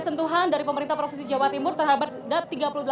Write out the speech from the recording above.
sentuhan dari pemerintah provinsi jawa timur terhadap